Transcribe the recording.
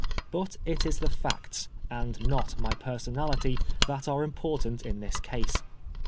But it is the facts, and not my personality* that are important in this case.